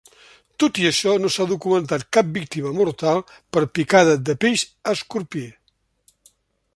Tot i això, no s'ha documentat cap víctima mortal per picada de peix escorpí.